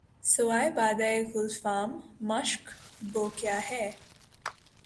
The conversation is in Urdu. سوائے بادۂ گلفام مشک بو کیا ہے